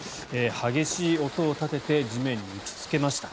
激しい音を立てて地面に打ちつけました。